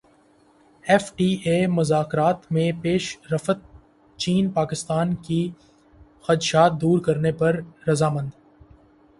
F T A مذاکرات میں پیش رفت چین پاکستان کے خدشات دور کرنے پر رضامند